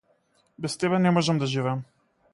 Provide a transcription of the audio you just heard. Без тебе не можам да живеам.